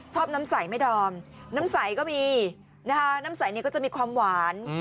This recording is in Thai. น้ำใสไหมดอมน้ำใสก็มีนะคะน้ำใสเนี่ยก็จะมีความหวาน